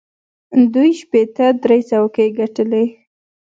دوی شپېته درې څوکۍ ګټلې.